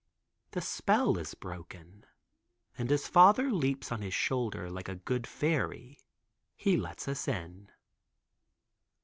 The spell is broken, and as father leaps on his shoulder like a good fairy, he lets us in.